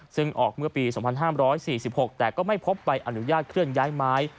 ซึ่งออกเมื่อปี๒๕๔๖แต่ก็ไม่พบใบอนุญาตเคลื่อนย้ายไม้